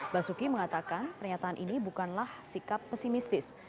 basuki mengatakan pernyataan ini bukanlah sikap pesimistis